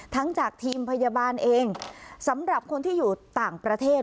จากทีมพยาบาลเองสำหรับคนที่อยู่ต่างประเทศ